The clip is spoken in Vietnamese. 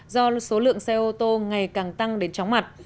do số lượng xe ô tô ngày càng tăng đến chóng mặt